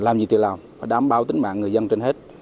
làm gì thì làm và đảm bảo tính mạng người dân trên hết